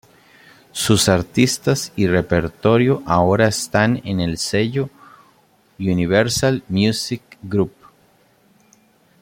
Sus artistas y repertorio ahora están en el sello Universal Music Group.